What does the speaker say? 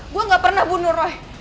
gue gak pernah bunuh roy